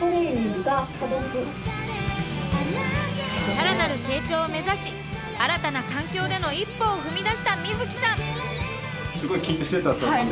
さらなる成長を目指し新たな環境での一歩を踏み出した瑞樹さん。